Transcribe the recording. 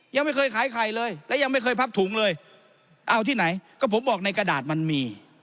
ยังไม่เคยขายไข่เลยและยังไม่เคยพับถุงเลยเอาที่ไหนก็ผมบอกในกระดาษมันมี